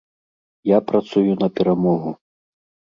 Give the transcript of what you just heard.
Я працую на перамогу.